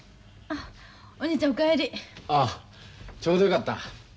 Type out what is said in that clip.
ああちょうどよかった。